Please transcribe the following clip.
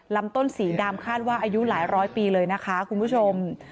ลำต้นสีดำคาดว่าอายุหลายร้อยปีเลยนะคะคุณผู้ชม